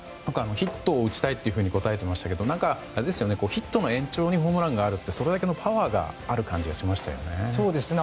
ヒットを打ちたいと答えていましたがヒットの延長にホームランがあるというそれだけのパワーがある感じがしましたよね。